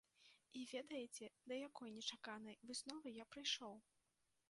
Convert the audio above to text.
І ведаеце, да якой нечаканай высновы я прыйшоў?